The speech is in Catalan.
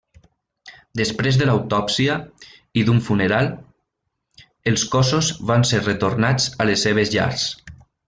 Després de l'autòpsia i d'un funeral, els cossos van ser retornats a les seves llars.